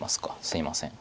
すいません。